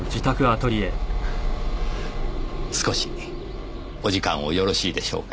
少しお時間をよろしいでしょうか？